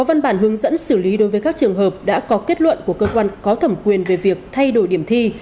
với các trường hợp đã có kết luận của cơ quan có thẩm quyền về việc thay đổi điểm thi